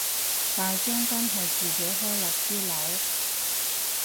大將軍係自己開律師樓